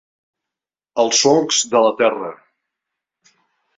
Als solcs de la terra.